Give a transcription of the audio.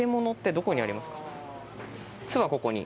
「つ」はここに。